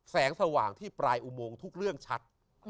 แสงสว่างที่ปลายอุโมงทุกเรื่องชัด